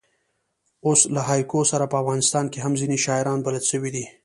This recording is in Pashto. اوس له هایکو سره په افغانستان کښي هم ځیني شاعران بلد سوي دي.